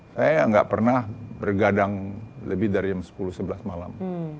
saya enggak pernah bergadang lebih dari sepuluh sebelas malam